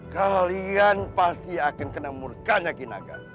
kalian pasti akan kena murka nyaki naga